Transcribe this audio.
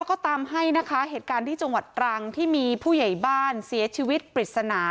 แล้วก็ตามให้นะคะเหตุการณ์ที่จังหวัดตรังที่มีผู้ใหญ่บ้านเสียชีวิตปริศนา